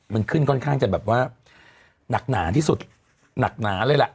มันขึ้นค่อนข้างจะแบบว่าหนักหนาที่สุดหนักหนาเลยล่ะ